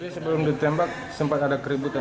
sebelum ditembak sempat ada keributan